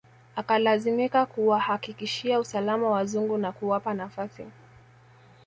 Akalazimika kuwahakikishia usalama wazungu na kuwapa nafasi